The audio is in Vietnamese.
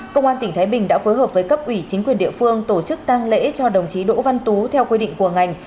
công an tỉnh thái bình đã phối hợp với cấp ủy chính quyền địa phương tổ chức tăng lễ cho đồng chí đỗ văn tú theo quy định của ngành